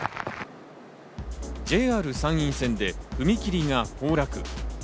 ＪＲ山陰線で踏切が崩落。